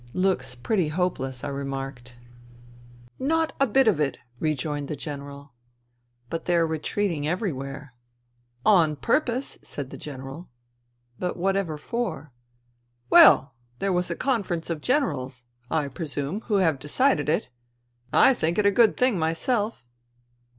" Looks pretty hopeless," I remarked. Not a bit of it," rejoined the General. " But they are retreating everywhere." " On purpose," said the General. " But whatever f or ?"" Well, there was a conference of generals ... I presume ... who have decided it. I think it a good thing myself."